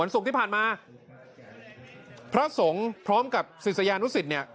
วันศุกร์ที่ผ่านมาพระสงฆ์พร้อมกับศิษยานุศิษย์